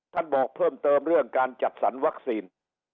ท่านบอกเพิ่มเติมเรื่องการจัดสรรวัคซีน